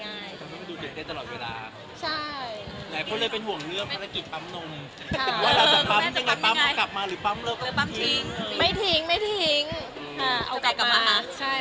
อย่างไงก็จะมองมันไว้ทั้งเวลา